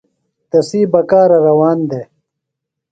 تسی بکارہ روان دےۡ۔